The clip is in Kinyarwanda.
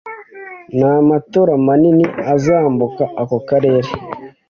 nta n’amato manini azambuka ako karere.